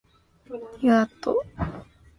你看牛魔？